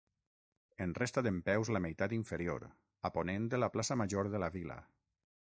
En resta dempeus la meitat inferior, a ponent de la Plaça Major de la vila.